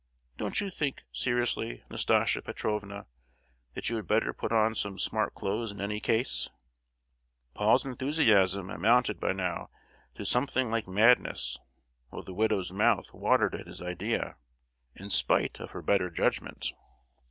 Don't you think, seriously, Nastasia Petrovna, that you had better put on some smart clothes in any case?" Paul's enthusiasm amounted by now to something like madness, while the widow's mouth watered at his idea, in spite of her better judgment.